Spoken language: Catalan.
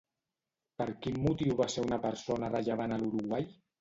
Per quin motiu va ser una persona rellevant a l'Uruguai?